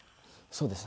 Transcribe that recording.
そうです。